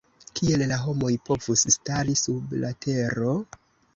Kiel la homoj povus stari sub la tero?